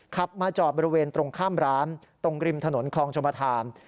ขับมาจอดบริเวณตรงข้ามร้านตรงริมถนนคลองชมธาม